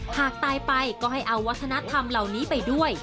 หากตายไปก็ให้เอาวัฒนธรรมเหล่านี้ไปด้วย